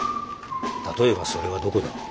例えばそれはどこだ？